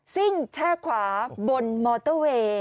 ซิ่งแช่ขวาบนมอเตอร์เวย์